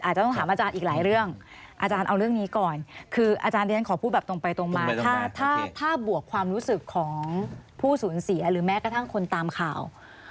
หรือแม้กระทั่งคนตามข่าว